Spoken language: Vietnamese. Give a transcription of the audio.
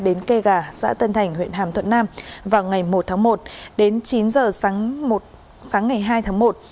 đến cây gà xã tân thành huyện hàm thuận nam vào ngày một tháng một đến chín giờ sáng ngày hai tháng một